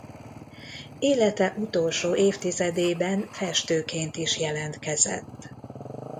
Élete utolsó évtizedében festőként is jelentkezett.